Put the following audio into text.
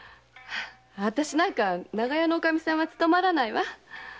あたしなんか長屋のおかみさんは務まらないわ。